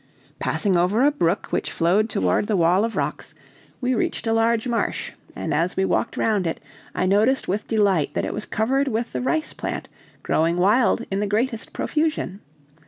Passing over a brook which flowed toward the wall of rocks, we reached a large marsh, and as we walked round it, I noticed with delight that it was covered with the rice plant growing wild in the greatest profusion.